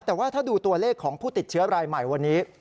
แต่ว่าถ้าดูตัวเลขของผู้ติดเชื้อรายใหม่วันนี้